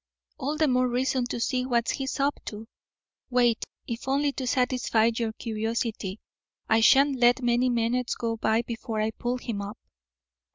"All the more reason to see what he's up to. Wait, if only to satisfy your curiosity. I shan't let many minutes go by before I pull him up."